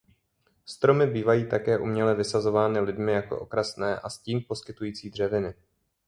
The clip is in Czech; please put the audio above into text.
Stromy bývají také uměle vysazovány lidmi jako okrasné a stín poskytující dřeviny.